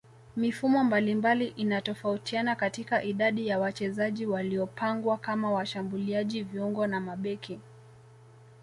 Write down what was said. Mifumo mbalimbali inatofautiana katika idadi ya wachezaji waliopangwa kama washambuliaji viungo na mabeki